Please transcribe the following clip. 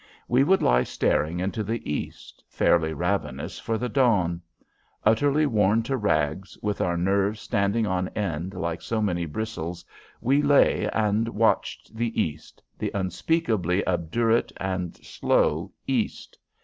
We would lie staring into the east, fairly ravenous for the dawn. Utterly worn to rags, with our nerves standing on end like so many bristles, we lay and watched the east the unspeakably obdurate and slow east.